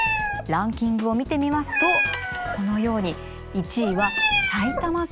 ランキングを見てみますとこのように１位は埼玉県となりました。